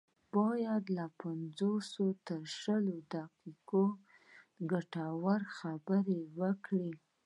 بايد له پنځلسو تر شلو دقيقو ګټورې خبرې وکړي.